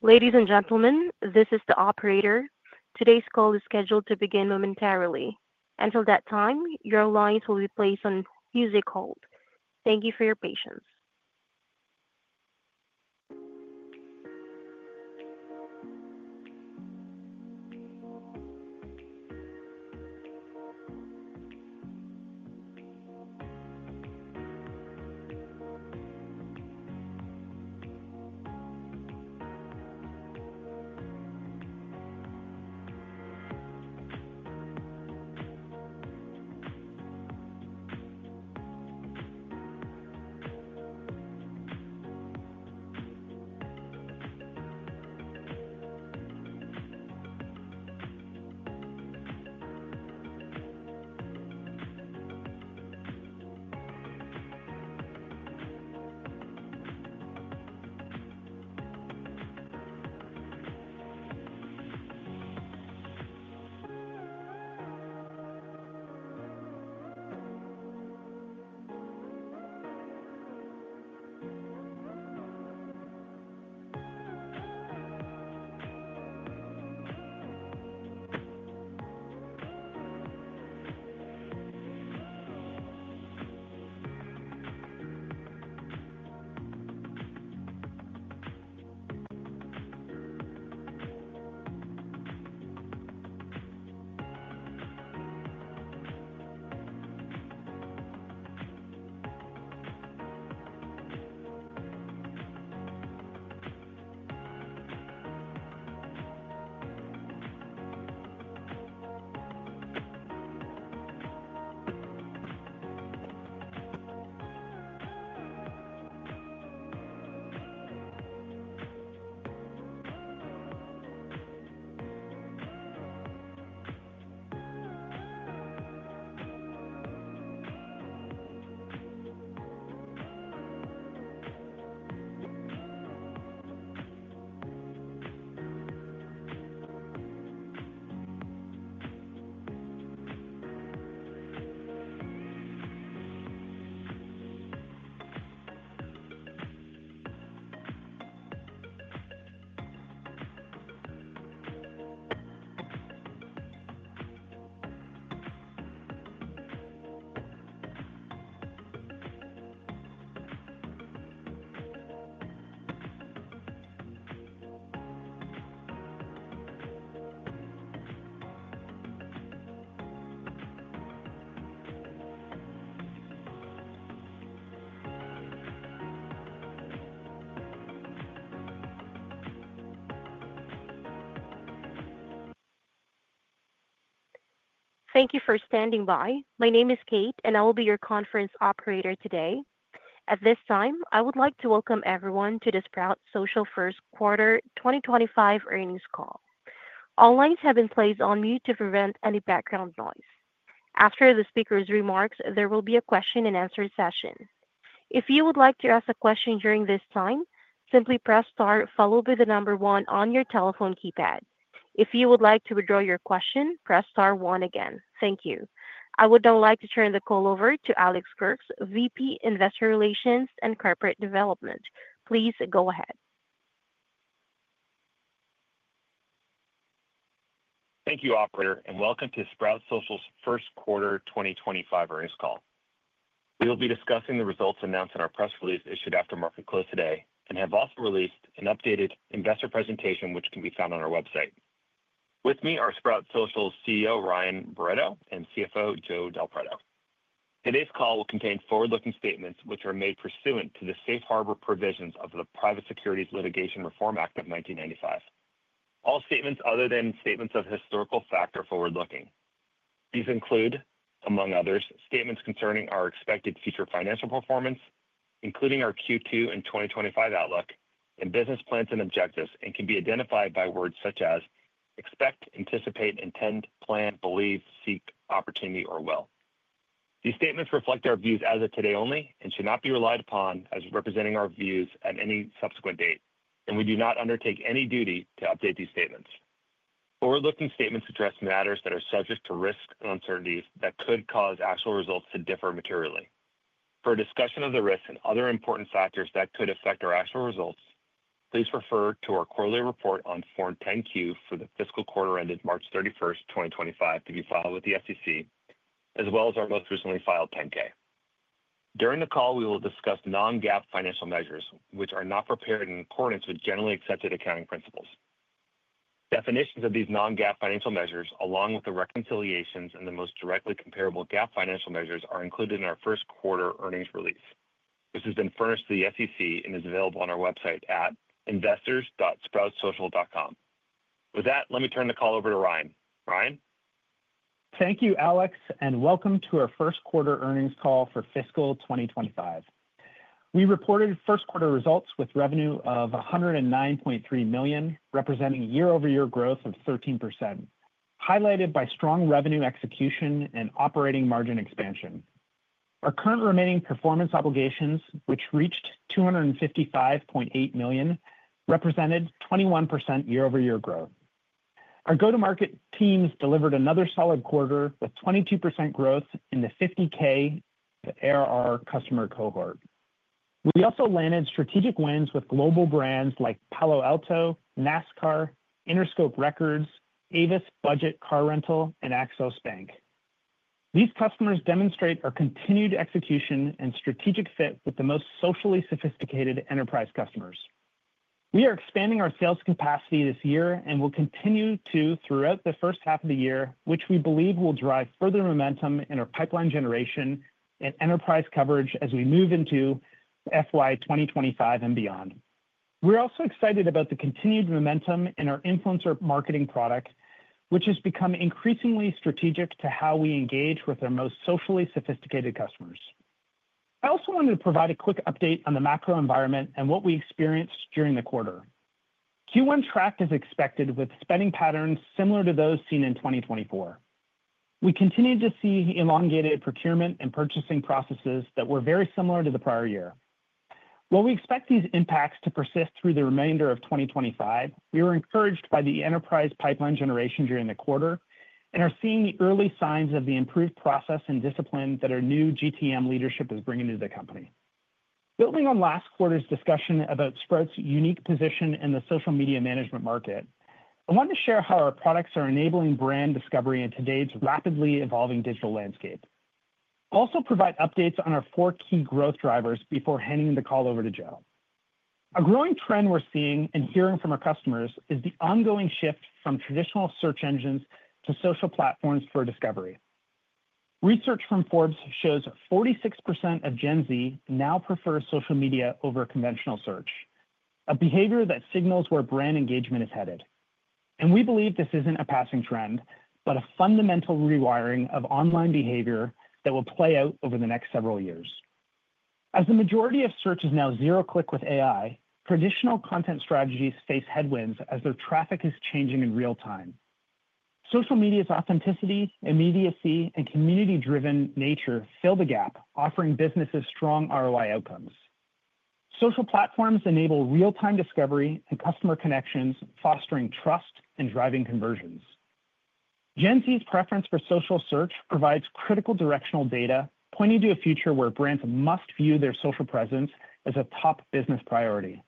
Ladies and gentlemen, this is the operator. Today's call is scheduled to begin momentarily. Until that time, your lines will be placed on a music hold. Thank you for your patience. Thank you for standing by. My name is Kate, and I will be your conference operator today. At this time, I would like to welcome everyone to the Sprout Social First Quarter 2025 Earnings Call. All lines have been placed on mute to prevent any background noise. After the speaker's remarks, there will be a question-and-answer session. If you would like to ask a question during this time, simply press Star, followed by the number one on your telephone keypad. If you would like to withdraw your question, press Star one again. Thank you. I would now like to turn the call over to Alex Kurtz, VP, Investor Relations and Corporate Development. Please go ahead. Thank you, Operator, and welcome to Sprout Social's First Quarter 2025 Earnings Call. We will be discussing the results announced in our press release issued after market close today and have also released an updated investor presentation, which can be found on our website. With me are Sprout Social's CEO, Ryan Barretto, and CFO, Joe Del Preto. Today's call will contain forward-looking statements, which are made pursuant to the Safe Harbor provisions of the Private Securities Litigation Reform Act of 1995. All statements other than statements of historical facts are forward-looking. These include, among others, statements concerning our expected future financial performance, including our Q2 and 2025 outlook, and business plans and objectives, and can be identified by words such as expect, anticipate, intend, plan, believe, seek, opportunity, or will. These statements reflect our views as of today only and should not be relied upon as representing our views at any subsequent date, and we do not undertake any duty to update these statements. Forward-looking statements address matters that are subject to risk and uncertainties that could cause actual results to differ materially. For discussion of the risks and other important factors that could affect our actual results, please refer to our quarterly report on Form 10-Q for the fiscal quarter ended March 31st, 2025, to be filed with the SEC, as well as our most recently filed 10-K. During the call, we will discuss non-GAAP financial measures, which are not prepared in accordance with generally accepted accounting principles. Definitions of these non-GAAP financial measures, along with the reconciliations and the most directly comparable GAAP financial measures, are included in our first quarter earnings release. This has been furnished to the SEC and is available on our website at investors.sproutsocial.com. With that, let me turn the call over to Ryan. Ryan? Thank you, Alex, and welcome to our First Quarter Earnings Call for fiscal 2025. We reported first quarter results with revenue of $109.3 million, representing year-over-year growth of 13%, highlighted by strong revenue execution and operating margin expansion. Our current remaining performance obligations, which reached $255.8 million, represented 21% year-over-year growth. Our go-to-market teams delivered another solid quarter with 22% growth in the 50K to ARR customer cohort. We also landed strategic wins with global brands like Palo Alto, NASCAR, Interscope Records, Avis Budget Car Rental, and Axos Bank. These customers demonstrate our continued execution and strategic fit with the most socially sophisticated enterprise customers. We are expanding our sales capacity this year and will continue to throughout the first half of the year, which we believe will drive further momentum in our pipeline generation and enterprise coverage as we move into FY2025 and beyond. We're also excited about the continued momentum in our influencer marketing product, which has become increasingly strategic to how we engage with our most socially sophisticated customers. I also wanted to provide a quick update on the macro environment and what we experienced during the quarter. Q1 tracked as expected, with spending patterns similar to those seen in 2024. We continue to see elongated procurement and purchasing processes that were very similar to the prior year. While we expect these impacts to persist through the remainder of 2025, we were encouraged by the enterprise pipeline generation during the quarter and are seeing the early signs of the improved process and discipline that our new GTM leadership is bringing to the company. Building on last quarter's discussion about Sprout's unique position in the social media management market, I want to share how our products are enabling brand discovery in today's rapidly evolving digital landscape. I'll also provide updates on our four key growth drivers before handing the call over to Joe. A growing trend we're seeing and hearing from our customers is the ongoing shift from traditional search engines to social platforms for discovery. Research from Forbes shows 46% of Gen Z now prefer social media over conventional search, a behavior that signals where brand engagement is headed. We believe this isn't a passing trend, but a fundamental rewiring of online behavior that will play out over the next several years. As the majority of search is now zero-click with AI, traditional content strategies face headwinds as their traffic is changing in real time. Social media's authenticity, immediacy, and community-driven nature fill the gap, offering businesses strong ROI outcomes. Social platforms enable real-time discovery and customer connections, fostering trust and driving conversions. Gen Z's preference for social search provides critical directional data, pointing to a future where brands must view their social presence as a top business priority.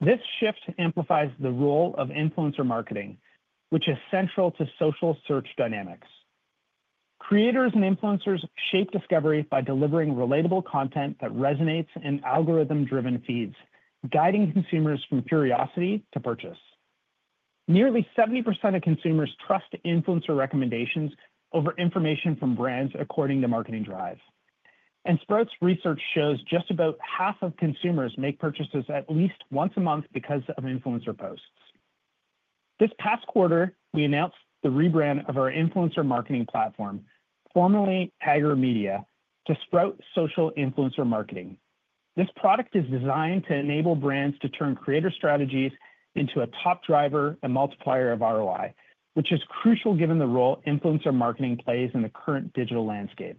This shift amplifies the role of influencer marketing, which is central to social search dynamics. Creators and influencers shape discovery by delivering relatable content that resonates in algorithm-driven feeds, guiding consumers from curiosity to purchase. Nearly 70% of consumers trust influencer recommendations over information from brands according to Marketing Dive. Sprout's research shows just about half of consumers make purchases at least once a month because of influencer posts. This past quarter, we announced the rebrand of our influencer marketing platform, formerly Tagger Media, to Sprout Social Influencer Marketing. This product is designed to enable brands to turn creator strategies into a top driver and multiplier of ROI, which is crucial given the role influencer marketing plays in the current digital landscape.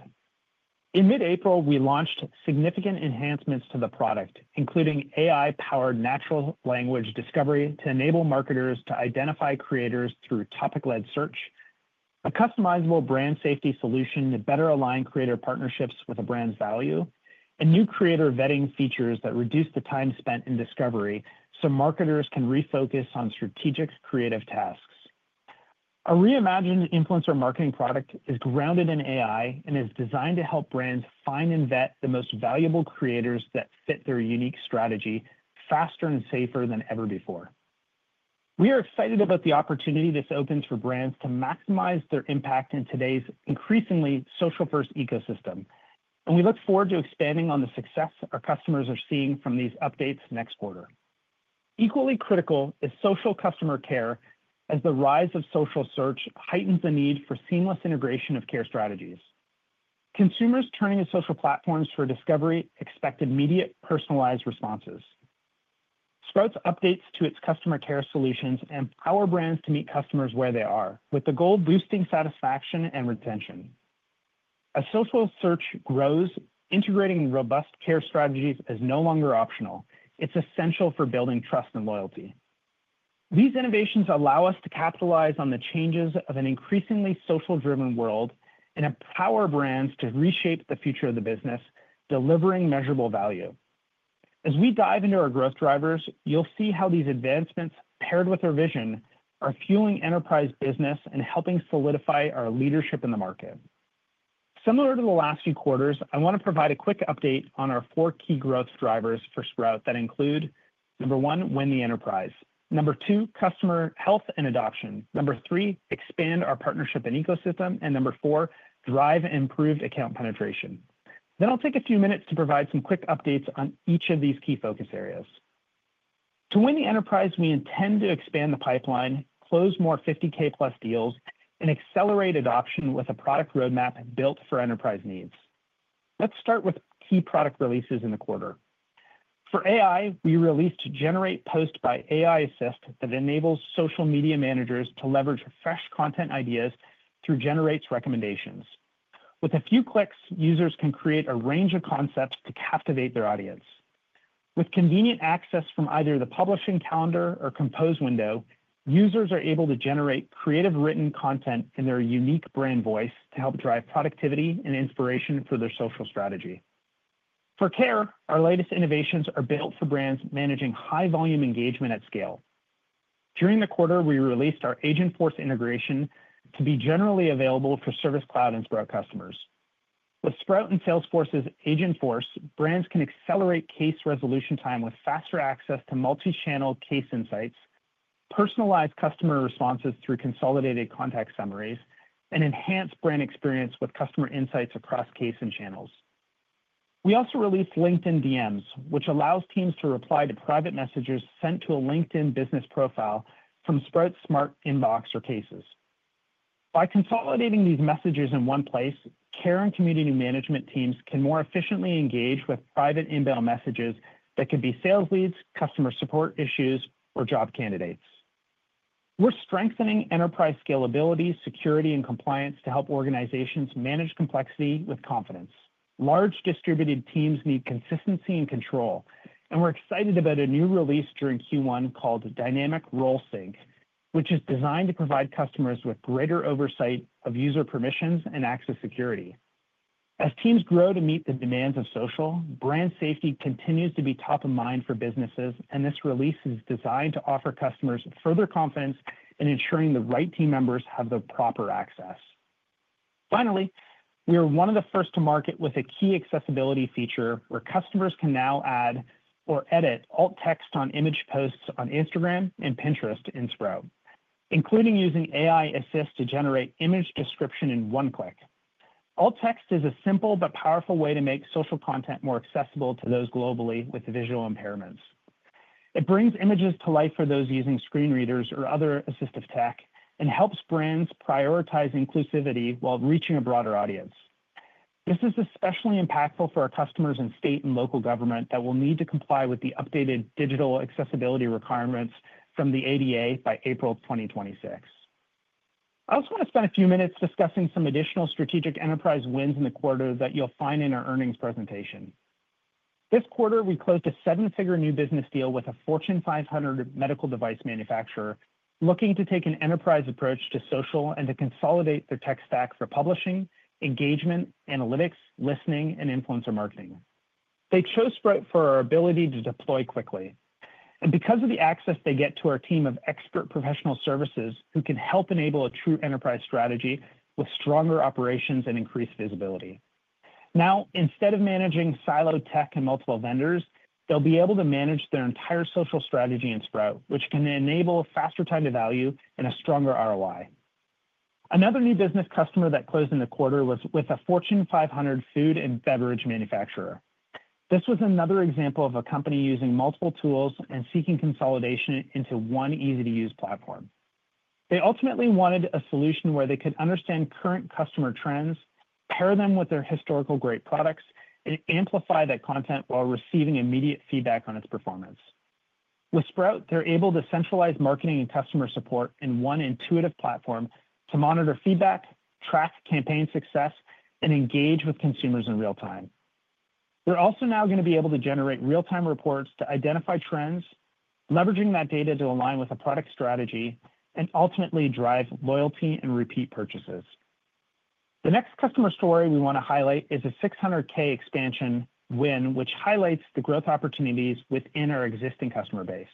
In mid-April, we launched significant enhancements to the product, including AI-powered natural language discovery to enable marketers to identify creators through topic-led search, a customizable brand safety solution to better align creator partnerships with a brand's value, and new creator vetting features that reduce the time spent in discovery so marketers can refocus on strategic creative tasks. Our reimagined influencer marketing product is grounded in AI and is designed to help brands find and vet the most valuable creators that fit their unique strategy faster and safer than ever before. We are excited about the opportunity this opens for brands to maximize their impact in today's increasingly social-first ecosystem, and we look forward to expanding on the success our customers are seeing from these updates next quarter. Equally critical is social customer care as the rise of social search heightens the need for seamless integration of care strategies. Consumers turning to social platforms for discovery expect immediate, personalized responses. Sprout's updates to its customer care solutions empower brands to meet customers where they are, with the goal of boosting satisfaction and retention. As social search grows, integrating robust care strategies is no longer optional. It is essential for building trust and loyalty. These innovations allow us to capitalize on the changes of an increasingly social-driven world and empower brands to reshape the future of the business, delivering measurable value. As we dive into our growth drivers, you'll see how these advancements, paired with our vision, are fueling enterprise business and helping solidify our leadership in the market. Similar to the last few quarters, I want to provide a quick update on our four key growth drivers for Sprout that include, number one, win the enterprise; number two, customer health and adoption; number three, expand our partnership and ecosystem; and number four, drive improved account penetration. I will take a few minutes to provide some quick updates on each of these key focus areas. To win the enterprise, we intend to expand the pipeline, close more $50K-plus deals, and accelerate adoption with a product roadmap built for enterprise needs. Let's start with key product releases in the quarter. For AI, we released Generate Post by AI Assist that enables social media managers to leverage fresh content ideas through Generate's recommendations. With a few clicks, users can create a range of concepts to captivate their audience. With convenient access from either the publishing calendar or compose window, users are able to generate creative written content in their unique brand voice to help drive productivity and inspiration for their social strategy. For care, our latest innovations are built for brands managing high-volume engagement at scale. During the quarter, we released our Agentforce integration to be generally available for Service Cloud and Sprout customers. With Sprout and Salesforce's Agentforce, brands can accelerate case resolution time with faster access to multi-channel case insights, personalized customer responses through consolidated contact summaries, and enhance brand experience with customer insights across case and channels. We also released LinkedIn DMs, which allows teams to reply to private messages sent to a LinkedIn business profile from Sprout's smart inbox or cases. By consolidating these messages in one place, care and community management teams can more efficiently engage with private inbound messages that could be sales leads, customer support issues, or job candidates. We are strengthening enterprise scalability, security, and compliance to help organizations manage complexity with confidence. Large distributed teams need consistency and control, and we are excited about a new release during Q1 called Dynamic Role Sync, which is designed to provide customers with greater oversight of user permissions and access security. As teams grow to meet the demands of social, brand safety continues to be top of mind for businesses, and this release is designed to offer customers further confidence in ensuring the right team members have the proper access. Finally, we are one of the first to market with a key accessibility feature where customers can now add or edit alt text on image posts on Instagram and Pinterest in Sprout, including using AI Assist to generate image description in one click. Alt text is a simple but powerful way to make social content more accessible to those globally with visual impairments. It brings images to life for those using screen readers or other assistive tech and helps brands prioritize inclusivity while reaching a broader audience. This is especially impactful for our customers in state and local government that will need to comply with the updated digital accessibility requirements from the ADA by April 2026. I also want to spend a few minutes discussing some additional strategic enterprise wins in the quarter that you'll find in our earnings presentation. This quarter, we closed a seven-figure new business deal with a Fortune 500 medical device manufacturer looking to take an enterprise approach to social and to consolidate their tech stack for publishing, engagement, analytics, listening, and influencer marketing. They chose Sprout for our ability to deploy quickly and because of the access they get to our team of expert professional services who can help enable a true enterprise strategy with stronger operations and increased visibility. Now, instead of managing siloed tech and multiple vendors, they'll be able to manage their entire social strategy in Sprout, which can enable a faster time to value and a stronger ROI. Another new business customer that closed in the quarter was with a Fortune 500 food and beverage manufacturer. This was another example of a company using multiple tools and seeking consolidation into one easy-to-use platform. They ultimately wanted a solution where they could understand current customer trends, pair them with their historical great products, and amplify that content while receiving immediate feedback on its performance. With Sprout, they're able to centralize marketing and customer support in one intuitive platform to monitor feedback, track campaign success, and engage with consumers in real time. They're also now going to be able to generate real-time reports to identify trends, leveraging that data to align with a product strategy and ultimately drive loyalty and repeat purchases. The next customer story we want to highlight is a $600,000 expansion win, which highlights the growth opportunities within our existing customer-base.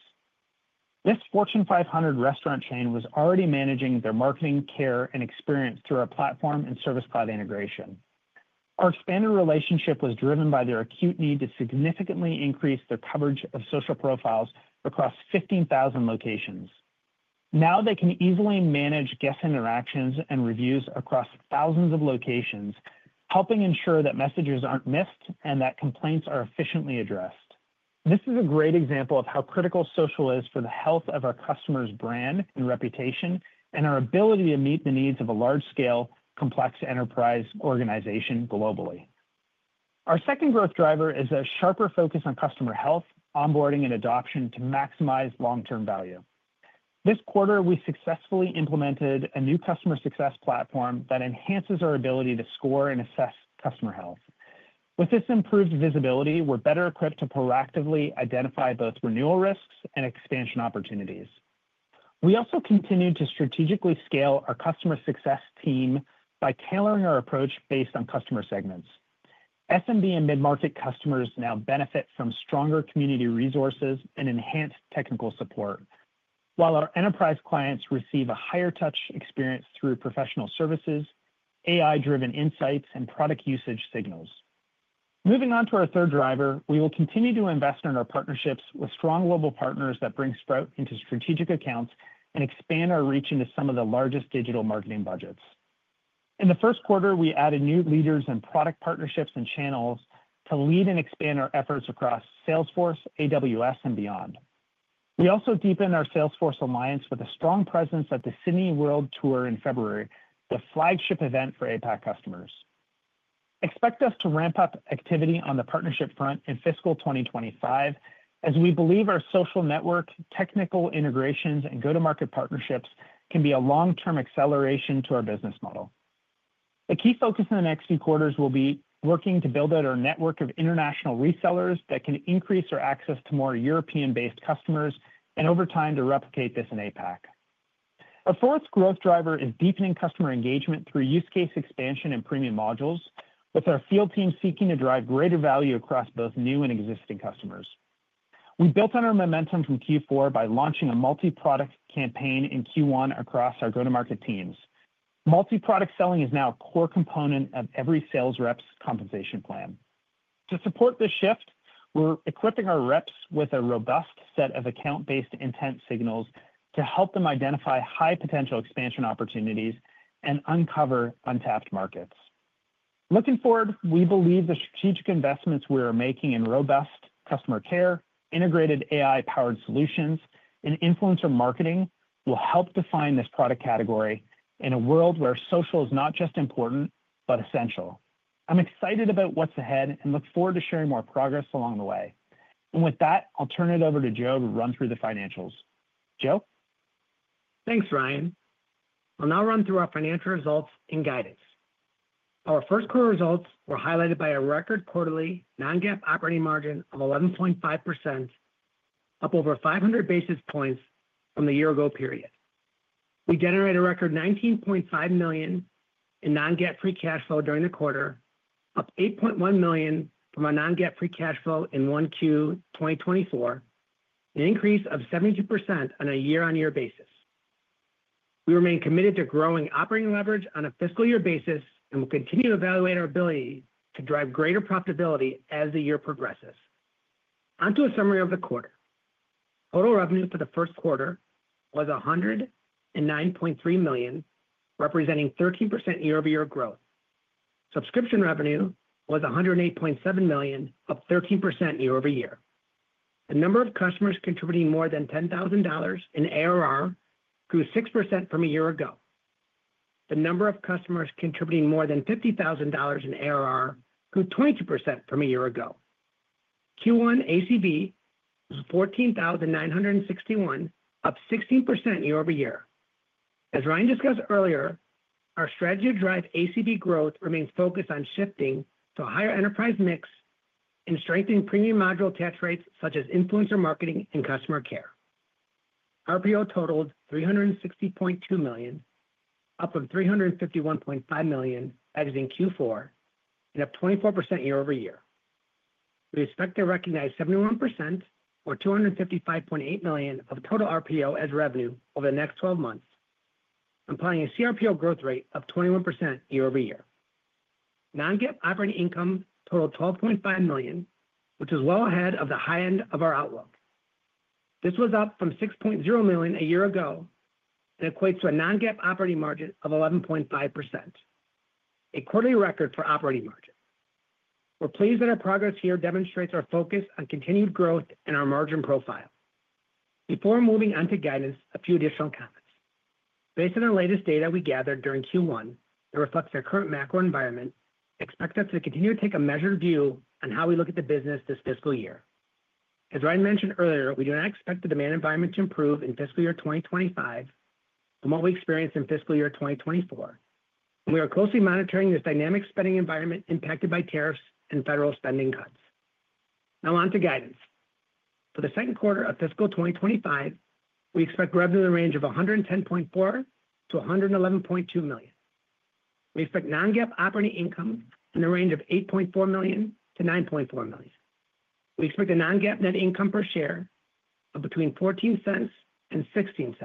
This Fortune 500 restaurant chain was already managing their marketing, care, and experience through our platform and Service Cloud integration. Our expanded relationship was driven by their acute need to significantly increase their coverage of social profiles across 15,000 locations. Now they can easily manage guest interactions and reviews across thousands of locations, helping ensure that messages aren't missed and that complaints are efficiently addressed. This is a great example of how critical social is for the health of our customers' brand and reputation and our ability to meet the needs of a large-scale, complex enterprise organization globally. Our second growth driver is a sharper focus on customer health, onboarding, and adoption to maximize long-term value. This quarter, we successfully implemented a new customer success platform that enhances our ability to score and assess customer health. With this improved visibility, we're better equipped to proactively identify both renewal risks and expansion opportunities. We also continue to strategically scale our customer success team by tailoring our approach based on customer segments. SMB and mid-market customers now benefit from stronger community resources and enhanced technical support, while our enterprise clients receive a higher-touch experience through professional services, AI-driven insights, and product usage signals. Moving on to our third driver, we will continue to invest in our partnerships with strong global partners that bring Sprout into strategic accounts and expand our reach into some of the largest digital marketing budgets. In the first quarter, we added new leaders and product partnerships and channels to lead and expand our efforts across Salesforce, AWS, and beyond. We also deepened our Salesforce alliance with a strong presence at the Sydney World Tour in February, the flagship event for APAC customers. Expect us to ramp up activity on the partnership front in fiscal 2025, as we believe our social network, technical integrations, and go-to-market partnerships can be a long-term acceleration to our business model. A key focus in the next few quarters will be working to build out our network of international resellers that can increase our access to more European-based customers and, over time, to replicate this in APAC. Our fourth growth driver is deepening customer engagement through use case expansion and premium modules, with our field team seeking to drive greater value across both new and existing customers. We built on our momentum from Q4 by launching a multi-product campaign in Q1 across our go-to-market teams. Multi-product selling is now a core component of every sales rep's compensation plan. To support this shift, we're equipping our reps with a robust set of account-based intent signals to help them identify high-potential expansion opportunities and uncover untapped markets. Looking forward, we believe the strategic investments we are making in robust customer care, integrated AI-powered solutions, and influencer marketing will help define this product category in a world where social is not just important, but essential. I'm excited about what's ahead and look forward to sharing more progress along the way. I'll turn it over to Joe to run through the financials. Joe? Thanks, Ryan. I'll now run through our financial results and guidance. Our first quarter results were highlighted by a record quarterly non-GAAP operating margin of 11.5%, up over 500 basis points from the year-ago period. We generated a record $19.5 million in non-GAAP free cash flow during the quarter, up $8.1 million from our non-GAAP free cash flow in Q1 2024, an increase of 72% on a year-on-year basis. We remain committed to growing operating leverage on a fiscal year basis and will continue to evaluate our ability to drive greater profitability as the year progresses. Onto a summary of the quarter. Total revenue for the first quarter was $109.3 million, representing 13% year-over-year growth. Subscription revenue was $108.7 million, up 13% year-over-year. The number of customers contributing more than $10,000 in ARR grew 6% from a year ago. The number of customers contributing more than $50,000 in ARR grew 22% from a year ago. Q1 ACV was $14,961, up 16% year-over-year. As Ryan discussed earlier, our strategy to drive ACV growth remains focused on shifting to a higher enterprise mix and strengthening premium module attach rates such as influencer marketing and customer care. RPO totaled $360.2 million, up from $351.5 million as in Q4, and up 24% year-over-year. We expect to recognize 71% or $255.8 million of total RPO as revenue over the next 12 months, implying a CRPO growth rate of 21% year-over-year. Non-GAAP operating income totaled $12.5 million, which is well ahead of the high end of our outlook. This was up from $6.0 million a year ago and equates to a non-GAAP operating margin of 11.5%, a quarterly record for operating margin. We're pleased that our progress here demonstrates our focus on continued growth and our margin profile. Before moving on to guidance, a few additional comments. Based on the latest data we gathered during Q1 that reflects our current macro environment, expect us to continue to take a measured view on how we look at the business this fiscal year. As Ryan mentioned earlier, we do not expect the demand environment to improve in fiscal year 2025 from what we experienced in fiscal year 2024. We are closely monitoring this dynamic spending environment impacted by tariffs and federal spending cuts. Now, on to guidance. For the second quarter of fiscal 2025, we expect revenue in the range of $110.4 million-$111.2 million. We expect non-GAAP operating income in the range of $8.4 million-$9.4 million. We expect a non-GAAP net income per share of between $0.14 and $0.16.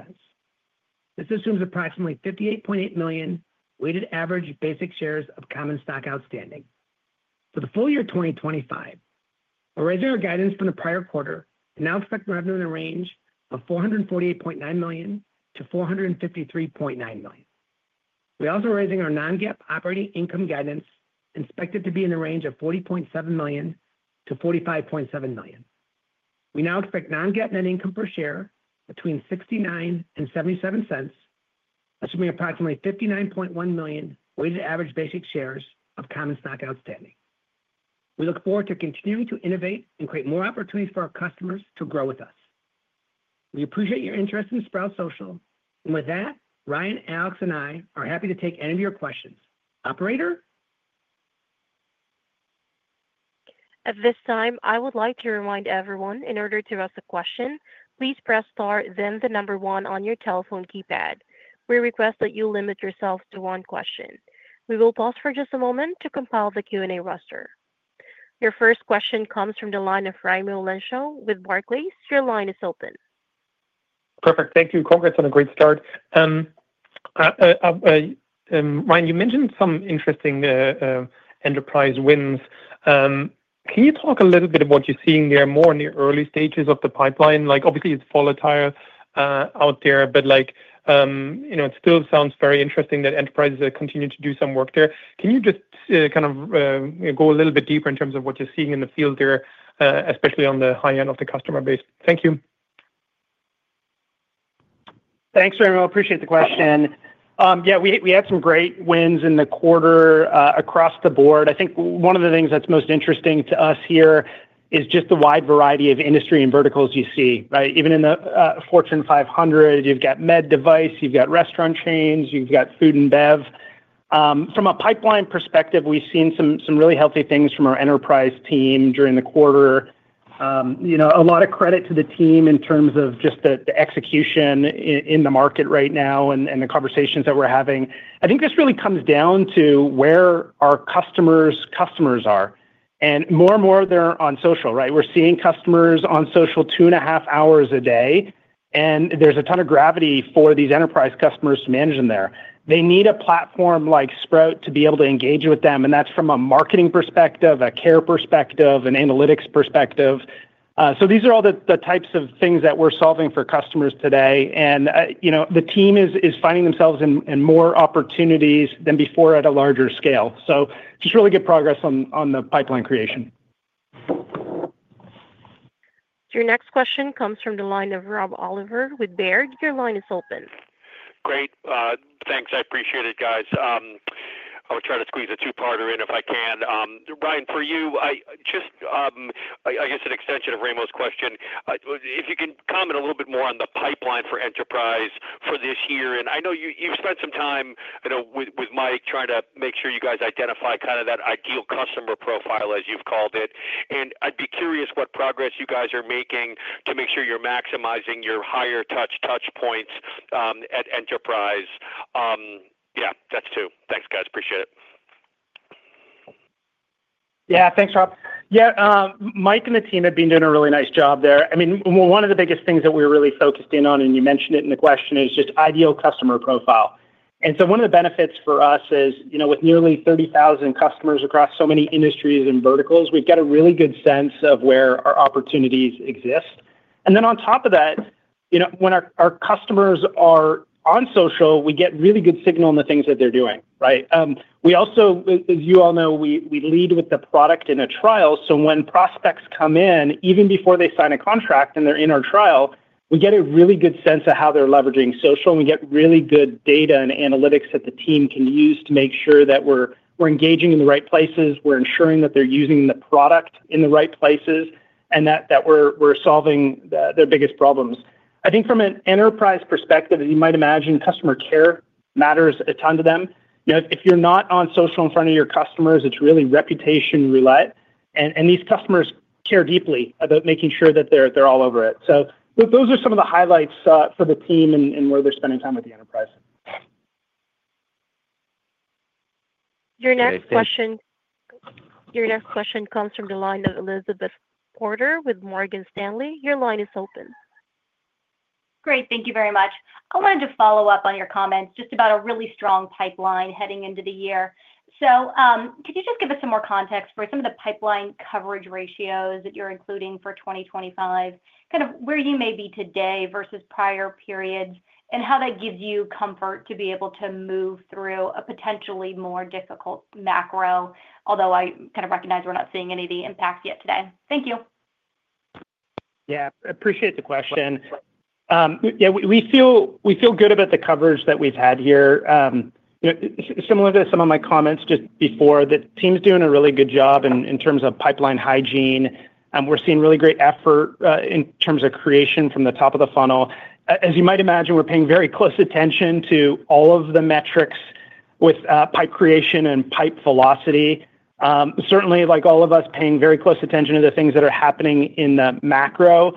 This assumes approximately 58.8million weighted average basic shares of common stock outstanding. For the full year 2025, we're raising our guidance from the prior quarter and now expect revenue in the range of $448.9 million-$453.9 million. We're also raising our non-GAAP operating income guidance and expect it to be in the range of $40.7 million-$45.7 million. We now expect non-GAAP net income per share between $0.69 and $0.77, assuming approximately 59.1 million weighted average basic shares of common stock outstanding. We look forward to continuing to innovate and create more opportunities for our customers to grow with us. We appreciate your interest in Sprout Social. With that, Ryan, Alex, and I are happy to take any of your questions. Operator? At this time, I would like to remind everyone in order to ask a question, please press star, then the number one on your telephone keypad. We request that you limit yourself to one question. We will pause for just a moment to compile the Q&A roster. Your first question comes from the line of Raimo Lenschow with Barclays. Your line is open. Perfect. Thank you. Congrats on a great start. Ryan, you mentioned some interesting enterprise wins. Can you talk a little bit about what you're seeing there more in the early stages of the pipeline? Obviously, it's volatile out there, but it still sounds very interesting that enterprises are continuing to do some work there. Can you just kind of go a little bit deeper in terms of what you're seeing in the field there, especially on the high end of the customer base? Thank you. Thanks, Raimo. I appreciate the question. Yeah, we had some great wins in the quarter across the board. I think one of the things that's most interesting to us here is just the wide variety of industry and verticals you see. Even in the Fortune 500, you've got med device, you've got restaurant chains, you've got food and bev. From a pipeline perspective, we've seen some really healthy things from our enterprise team during the quarter. A lot of credit to the team in terms of just the execution in the market right now and the conversations that we're having. I think this really comes down to where our customers' customers are. More and more, they're on social. We're seeing customers on social two and a half hours a day, and there's a ton of gravity for these enterprise customers to manage in there. They need a platform like Sprout to be able to engage with them, and that's from a marketing perspective, a care perspective, an analytics perspective. These are all the types of things that we're solving for customers today. The team is finding themselves in more opportunities than before at a larger scale. Just really good progress on the pipeline creation. Your next question comes from the line of Rob Oliver with Baird. Your line is open. Great. Thanks. I appreciate it, guys. I'll try to squeeze a two-parter in if I can. Ryan, for you, just I guess an extension of Raymond's question. If you can comment a little bit more on the pipeline for enterprise for this year. I know you've spent some time with Mike trying to make sure you guys identify kind of that ideal customer profile, as you've called it. I'd be curious what progress you guys are making to make sure you're maximizing your higher-touch touchpoints at enterprise. Yeah, that's two. Thanks, guys. Appreciate it. Yeah, thanks, Rob. Yeah, Mike and the team have been doing a really nice job there. I mean, one of the biggest things that we're really focused in on, and you mentioned it in the question, is just ideal customer profile. One of the benefits for us is with nearly 30,000 customers across so many industries and verticals, we've got a really good sense of where our opportunities exist. On top of that, when our customers are on social, we get really good signal in the things that they're doing. We also, as you all know, we lead with the product in a trial. When prospects come in, even before they sign a contract and they're in our trial, we get a really good sense of how they're leveraging social. We get really good data and analytics that the team can use to make sure that we're engaging in the right places, we're ensuring that they're using the product in the right places, and that we're solving their biggest problems. I think from an enterprise perspective, as you might imagine, customer care matters a ton to them. If you're not on social in front of your customers, it's really reputation roulette. These customers care deeply about making sure that they're all over it. Those are some of the highlights for the team and where they're spending time with the enterprise. Your next question comes from the line of Elizabeth Porter with Morgan Stanley. Your line is open. Great. Thank you very much. I wanted to follow up on your comments just about a really strong pipeline heading into the year. Could you just give us some more context for some of the pipeline coverage ratios that you're including for 2025, kind of where you may be today versus prior periods, and how that gives you comfort to be able to move through a potentially more difficult macro, although I kind of recognize we're not seeing any of the impacts yet today. Thank you. Yeah, I appreciate the question. Yeah, we feel good about the coverage that we've had here. Similar to some of my comments just before, the team's doing a really good job in terms of pipeline hygiene. We're seeing really great effort in terms of creation from the top of the funnel. As you might imagine, we're paying very close attention to all of the metrics with pipe creation and pipe velocity. Certainly, like all of us, paying very close attention to the things that are happening in the macro.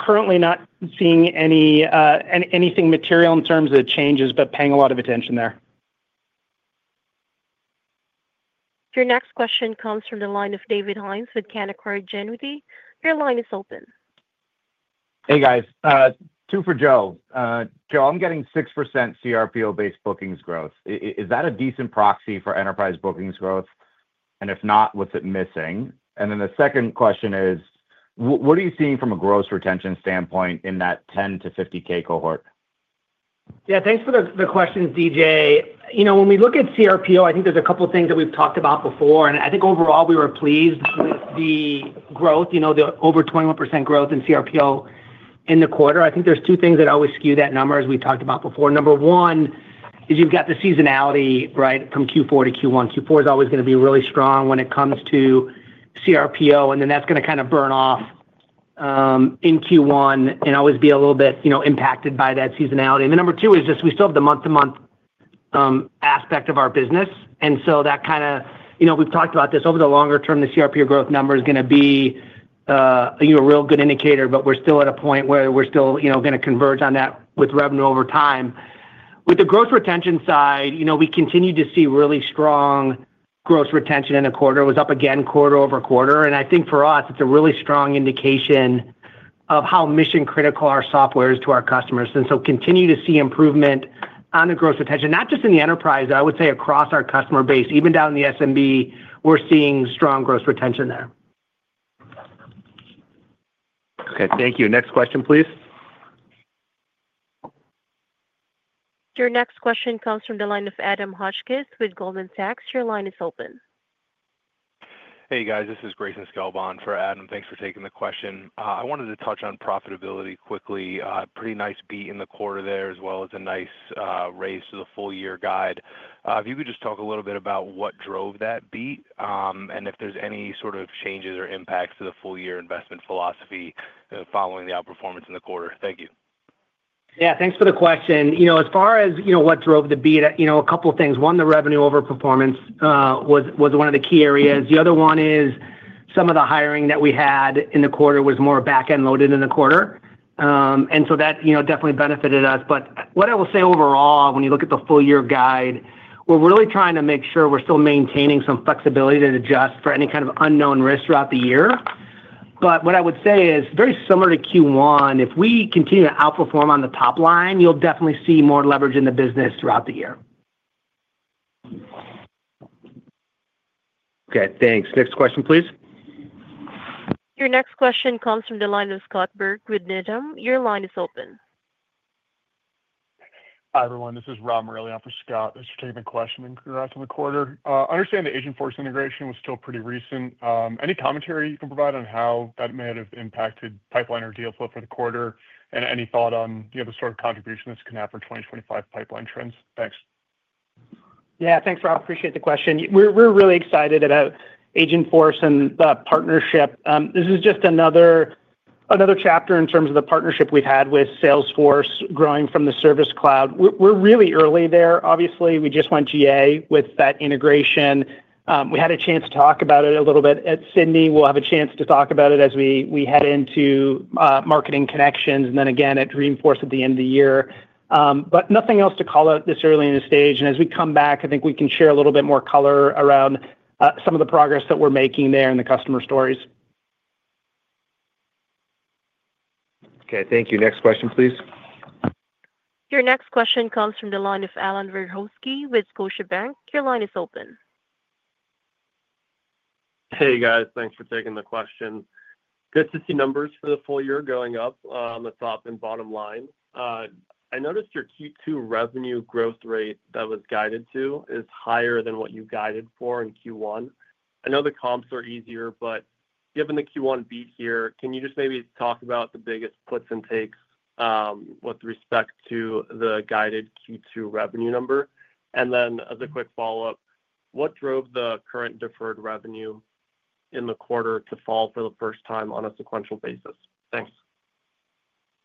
Currently, not seeing anything material in terms of changes, but paying a lot of attention there. Your next question comes from the line of David Hynes with Canaccord Genuity. Your line is open. Hey, guys. Two for Joe. Joe, I'm getting 6% CRPO-based bookings growth. Is that a decent proxy for enterprise bookings growth? If not, what's it missing? The second question is, what are you seeing from a gross retention standpoint in that 10-50K cohort? Yeah, thanks for the questions, DJ. When we look at CRPO, I think there's a couple of things that we've talked about before. I think overall, we were pleased with the growth, the over 21% growth in CRPO in the quarter. I think there's two things that always skew that number, as we talked about before. Number one is you've got the seasonality from Q4 to Q1. Q4 is always going to be really strong when it comes to CRPO. That is going to kind of burn off in Q1 and always be a little bit impacted by that seasonality. Number two is just we still have the month-to-month aspect of our business. We have talked about this. Over the longer term, the CRPO growth number is going to be a real good indicator, but we're still at a point where we're still going to converge on that with revenue over time. With the gross retention side, we continue to see really strong gross retention in the quarter. It was up again quarter over quarter. I think for us, it's a really strong indication of how mission-critical our software is to our customers. You continue to see improvement on the gross retention, not just in the enterprise, but I would say across our customer base. Even down in the SMB, we're seeing strong gross retention there. Okay, thank you. Next question, please. Your next question comes from the line of Adam Hotchkiss with Goldman Sachs. Your line is open. Hey, guys. This is Greyson Sklba on for Adam. Thanks for taking the question. I wanted to touch on profitability quickly. Pretty nice beat in the quarter there, as well as a nice raise to the full-year guide. If you could just talk a little bit about what drove that beat and if there's any sort of changes or impacts to the full-year investment philosophy following the outperformance in the quarter. Thank you. Yeah, thanks for the question. As far as what drove the beat, a couple of things. One, the revenue over performance was one of the key areas. The other one is some of the hiring that we had in the quarter was more back-end loaded in the quarter. That definitely benefited us. What I will say overall, when you look at the full-year guide, we're really trying to make sure we're still maintaining some flexibility to adjust for any kind of unknown risk throughout the year. What I would say is very similar to Q1, if we continue to outperform on the top line, you'll definitely see more leverage in the business throughout the year. Okay, thanks. Next question, please. Your next question comes from the line of Scott Berg with Needham. Your line is open. Hi, everyone. This is Rob Morelli. I'm for Scott. Just taking a question from the quarter. I understand the Agentforce integration was still pretty recent. Any commentary you can provide on how that may have impacted pipeline or deal flow for the quarter? Any thought on the sort of contribution this can have for 2025 pipeline trends? Thanks. Yeah, thanks, Rob. Appreciate the question. We're really excited about Agentforce and the partnership. This is just another chapter in terms of the partnership we've had with Salesforce growing from the Service Cloud. We're really early there. Obviously, we just went GA with that integration. We had a chance to talk about it a little bit at Sydney. We'll have a chance to talk about it as we head into marketing connections and then again at Dreamforce at the end of the year. Nothing else to call out this early in the stage. As we come back, I think we can share a little bit more color around some of the progress that we're making there in the customer stories. Okay, thank you. Next question, please. Your next question comes from the line of Allan Verkhovski with Scotiabank. Your line is open. Hey, guys. Thanks for taking the question. Good to see numbers for the full year going up. That's the top and bottom line. I noticed your Q2 revenue growth rate that was guided to is higher than what you guided for in Q1. I know the comps are easier, but given the Q1 beat here, can you just maybe talk about the biggest puts and takes with respect to the guided Q2 revenue number? And then as a quick follow-up, what drove the current deferred revenue in the quarter to fall for the first time on a sequential basis? Thanks.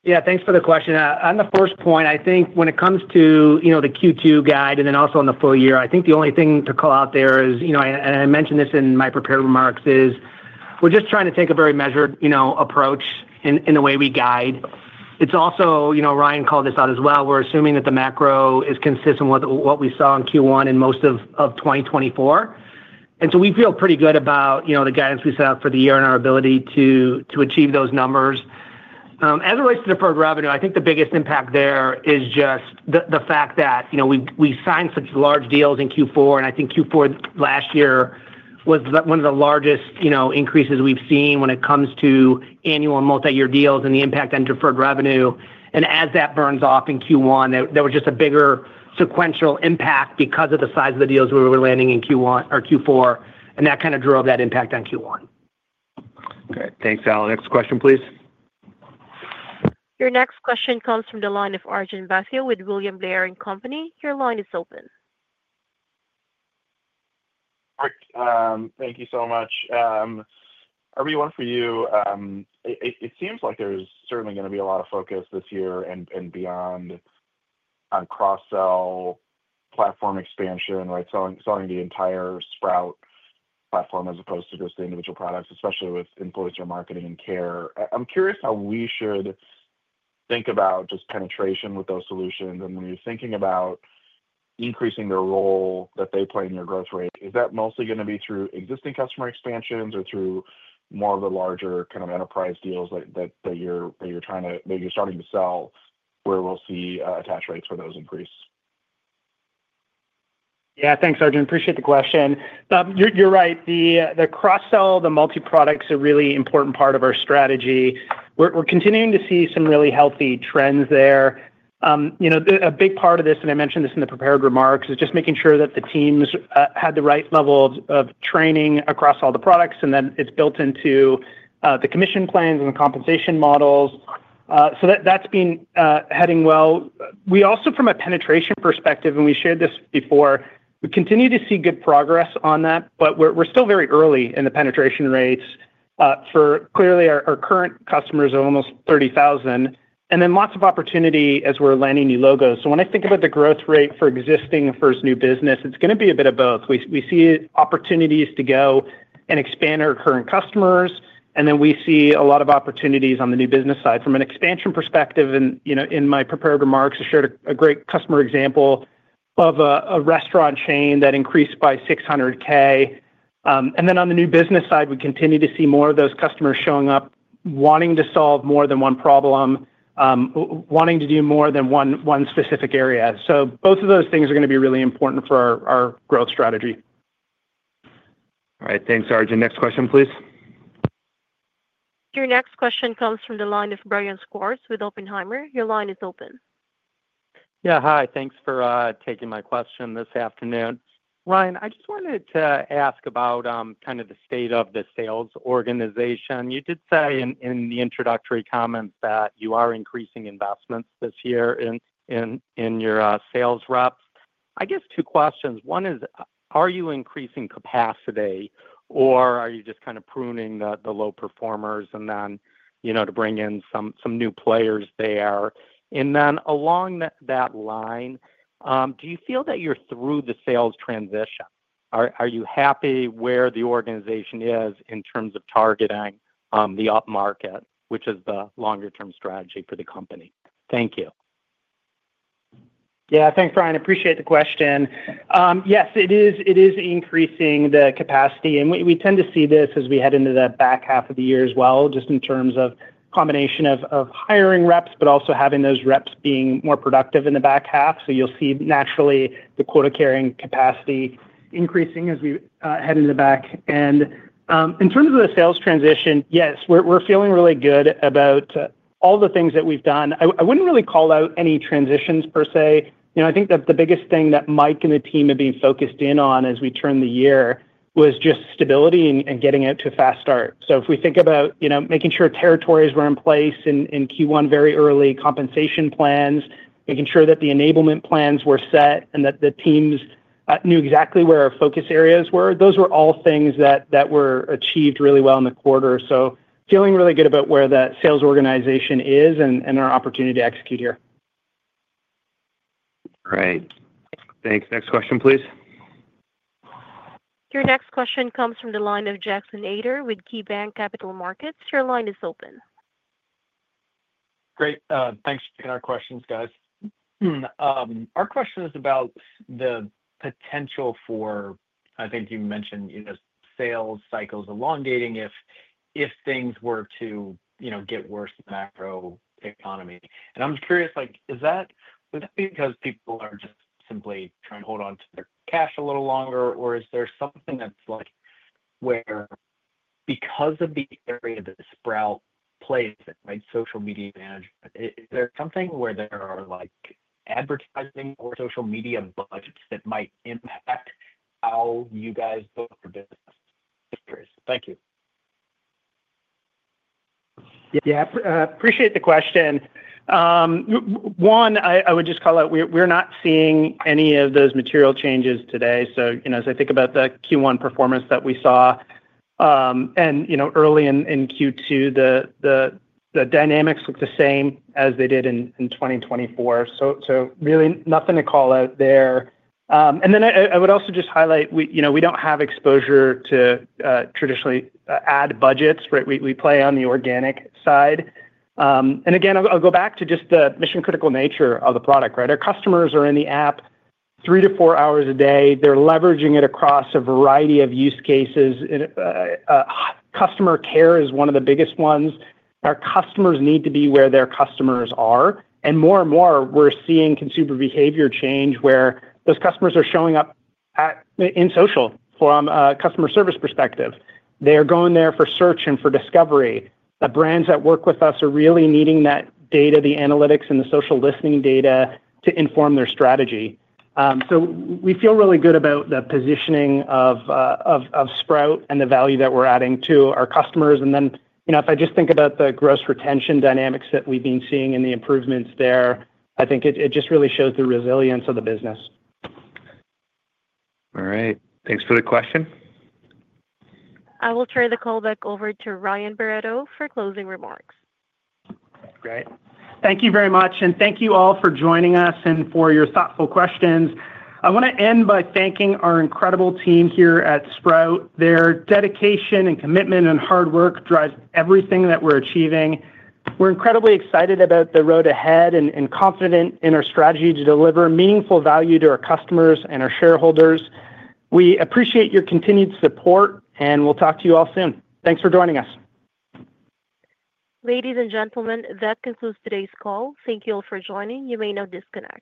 Yeah, thanks for the question. On the first point, I think when it comes to the Q2 guide and then also on the full year, I think the only thing to call out there is, and I mentioned this in my prepared remarks, is we're just trying to take a very measured approach in the way we guide. It's also, Ryan called this out as well, we're assuming that the macro is consistent with what we saw in Q1 and most of 2024. We feel pretty good about the guidance we set up for the year and our ability to achieve those numbers. As it relates to deferred revenue, I think the biggest impact there is just the fact that we signed such large deals in Q4. I think Q4 last year was one of the largest increases we've seen when it comes to annual and multi-year deals and the impact on deferred revenue. As that burns off in Q1, there was just a bigger sequential impact because of the size of the deals we were landing in Q4. That kind of drove that impact on Q1. Okay, thanks, Allan. Next question, please. Your next question comes from the line of Arjun Bhatia with William Blair & Company. Your line is open. Thank you so much. Everyone, for you, it seems like there's certainly going to be a lot of focus this year and beyond on cross-sell platform expansion, selling the entire Sprout platform as opposed to just the individual products, especially with influencer marketing and care. I'm curious how we should think about just penetration with those solutions. When you're thinking about increasing the role that they play in your growth rate, is that mostly going to be through existing customer expansions or through more of the larger kind of enterprise deals that you're trying to maybe you're starting to sell where we'll see attach rates for those increase? Yeah, thanks, Arjun. Appreciate the question. You're right. The cross-sell, the multi-products are a really important part of our strategy. We're continuing to see some really healthy trends there. A big part of this, and I mentioned this in the prepared remarks, is just making sure that the teams had the right level of training across all the products. Then it's built into the commission plans and the compensation models. That's been heading well. We also, from a penetration perspective, and we shared this before, we continue to see good progress on that, but we're still very early in the penetration rates. Clearly, our current customers are almost 30,000. And then lots of opportunity as we're landing new logos. When I think about the growth rate for existing and first new business, it's going to be a bit of both. We see opportunities to go and expand our current customers. And then we see a lot of opportunities on the new business side from an expansion perspective. In my prepared remarks, I shared a great customer example of a restaurant chain that increased by $600,000. On the new business side, we continue to see more of those customers showing up, wanting to solve more than one problem, wanting to do more than one specific area. Both of those things are going to be really important for our growth strategy. All right, thanks, Arjun. Next question, please. Your next question comes from the line of Brian Schwartz with Oppenheimer. Your line is open. Yeah, hi. Thanks for taking my question this afternoon. Ryan, I just wanted to ask about kind of the state of the sales organization. You did say in the introductory comments that you are increasing investments this year in your sales reps. I guess two questions. One is, are you increasing capacity, or are you just kind of pruning the low performers and then to bring in some new players there? Along that line, do you feel that you're through the sales transition? Are you happy where the organization is in terms of targeting the upmarket, which is the longer-term strategy for the company? Thank you. Yeah, thanks, Brian. Appreciate the question. Yes, it is increasing the capacity. We tend to see this as we head into the back half of the year as well, just in terms of combination of hiring reps, but also having those reps being more productive in the back half. You will see naturally the quota carrying capacity increasing as we head into the back. In terms of the sales transition, yes, we are feeling really good about all the things that we have done. I would not really call out any transitions per se. I think that the biggest thing that Mike and the team have been focused in on as we turn the year was just stability and getting it to a fast start. If we think about making sure territories were in place in Q1 very early, compensation plans, making sure that the enablement plans were set, and that the teams knew exactly where our focus areas were, those were all things that were achieved really well in the quarter. Feeling really good about where that sales organization is and our opportunity to execute here. Great. Thanks. Next question, please. Your next question comes from the line of Jackson Ader with KeyBanc Capital Markets. Your line is open. Great. Thanks for taking our questions, guys. Our question is about the potential for, I think you mentioned, sales cycles elongating if things were to get worse in the macro economy. I'm curious, would that be because people are just simply trying to hold on to their cash a little longer, or is there something that's where because of the area that Sprout plays, social media management, is there something where there are advertising or social media budgets that might impact how you guys book for business? Thank you. Yeah, appreciate the question. One, I would just call out we're not seeing any of those material changes today. As I think about the Q1 performance that we saw and early in Q2, the dynamics look the same as they did in 2024. Really nothing to call out there. I would also just highlight we don't have exposure to traditionally ad budgets. We play on the organic side. Again, I'll go back to just the mission-critical nature of the product. Our customers are in the app three to four hours a day. They're leveraging it across a variety of use cases. Customer care is one of the biggest ones. Our customers need to be where their customers are. More and more, we're seeing consumer behavior change where those customers are showing up in social from a customer service perspective. They're going there for search and for discovery. The brands that work with us are really needing that data, the analytics, and the social listening data to inform their strategy. We feel really good about the positioning of Sprout and the value that we're adding to our customers. If I just think about the gross retention dynamics that we've been seeing and the improvements there, I think it just really shows the resilience of the business. All right. Thanks for the question. I will turn the call back over to Ryan Barretto for closing remarks. Great. Thank you very much. Thank you all for joining us and for your thoughtful questions. I want to end by thanking our incredible team here at Sprout. Their dedication and commitment and hard work drive everything that we are achieving. We are incredibly excited about the road ahead and confident in our strategy to deliver meaningful value to our customers and our shareholders. We appreciate your continued support, and we will talk to you all soon. Thanks for joining us. Ladies and gentlemen, that concludes today's call. Thank you all for joining. You may now disconnect.